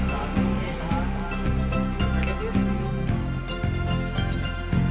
ya di sebelah sana mbak